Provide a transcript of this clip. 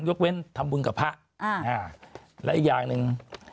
ยกเว้นทำบุญกับพระอ่าและอีกอย่างหนึ่ง